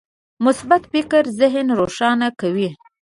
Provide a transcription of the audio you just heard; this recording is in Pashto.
مثبت فکر ذهن روښانه کوي.